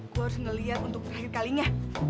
gue harus ngeliat untuk terakhir kalinya